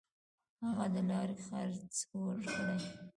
هغه د لارې خرڅ ورکړي.